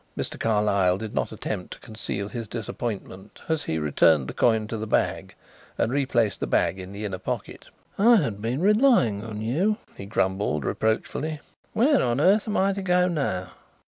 Mr. Carlyle did not attempt to conceal his disappointment as he returned the coin to the bag and replaced the bag in the inner pocket. "I had been relying on you," he grumbled reproachfully. "Where on earth am I to go now?"